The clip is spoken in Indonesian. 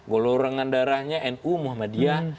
golongan darahnya nu muhammadiyah